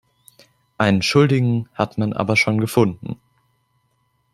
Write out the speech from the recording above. Einen Schuldigen hat man aber schon gefunden.